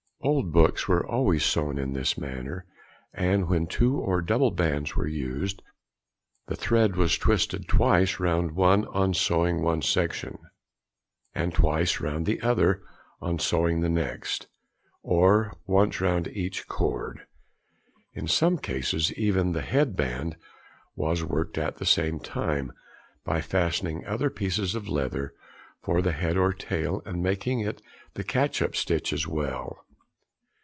Old books were always sewn in this manner, and when two or double bands were used, the thread was twisted twice round one on sewing one section, and twice round the other on sewing the next, or once round each cord. In some cases even the "head band" was worked at |27| the same time, by fastening other pieces of leather for the head and tail, and making it the catch up stitch as well.